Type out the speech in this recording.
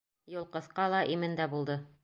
Юл ҡыҫҡа ла, имен дә булды.